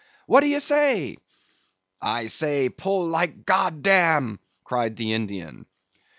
What d'ye say?" "I say, pull like god dam,"—cried the Indian.